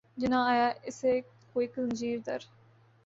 جو نہ آیا اسے کوئی زنجیر در